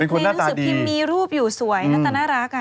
เป็นคนหน้าตาดีในเพลงสุขิมมีรูปอยู่สวยหน้าตาน่ารักอ่ะ